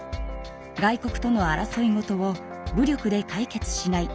外国との争いごとを武力で解決しない。